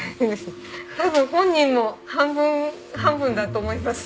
多分本人も半分半分だと思います。